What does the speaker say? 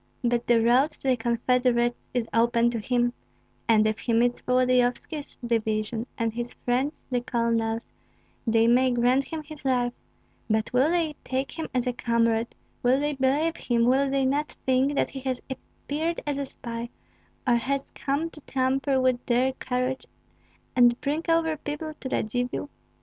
But the road to the confederates is open to him; and if he meets Volodyovski's division and his friends the colonels, they may grant him his life, but will they take him as a comrade, will they believe him, will they not think that he has appeared as a spy, or has come to tamper with their courage and bring over people to Radzivill?